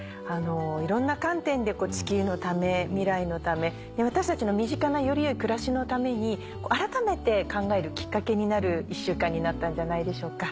いろんな観点で地球のため未来のため私たちの身近なより良い暮らしのために改めて考えるきっかけになる１週間になったんじゃないでしょうか。